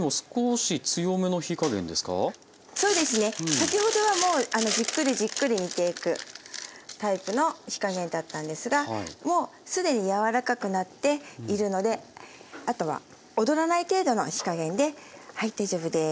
先ほどはじっくりじっくり煮ていくタイプの火加減だったんですがもう既に柔らかくなっているのであとは躍らない程度の火加減で大丈夫です。